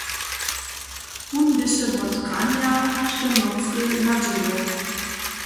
Wón běše wot ranja hač do nocy na dźěle.